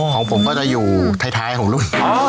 ของผมก็จะอยู่ท้ายของรุ่น